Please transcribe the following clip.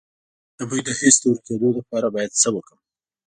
د بوی د حس د ورکیدو لپاره باید څه وکړم؟